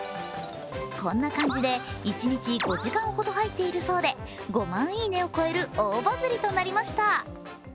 こんな感じで一日５時間ほど入っているそうで５万「いいね」を超える大バズりとなりました。